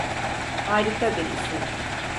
Harika bir isim.